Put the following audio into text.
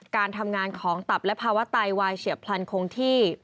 การทำงานของตับและภาวะไตวายเฉียบพลันคงที่